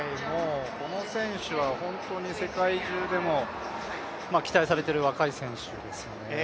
この選手は本当に世界中でも期待されている若い選手ですからね。